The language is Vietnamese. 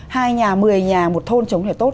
hai nhà mười nhà một thôn trồng nó tốt